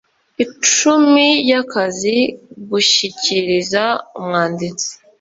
icumi y akazi gushyikiriza Umwanditsi